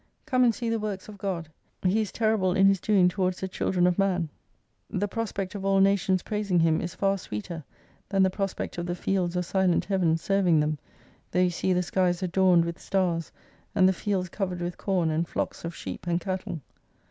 Come and see the works of God, He is terrible in his doing towards the children of man. The prospect of all Nations praising Him is far sweeter than the prospect of the fields or silent Heavens serving them, though you see the skies adorned with stars, and the fields covered with com and flocks of sheep and cattle.